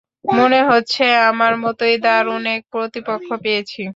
মনে হচ্ছে আমার মতোই দারুণ এক প্রতিপক্ষ পেয়েছি।